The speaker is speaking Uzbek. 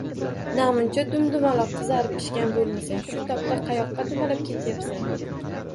— Namuncha dum-dumaloq, qizarib pishgan bo’lmasang? Shu tobda qayoqqa dumalab ketyapsan?